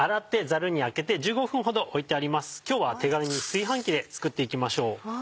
今日は手軽に炊飯器で作っていきましょう。